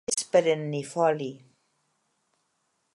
És perennifoli.